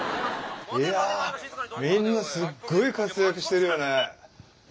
いやみんなすっごい活躍してるよね。